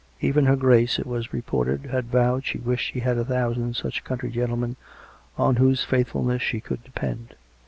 Even her Grace, it was reported, had vowed she wished she had a thousand such country gentle men on whose faithfuness she could depend.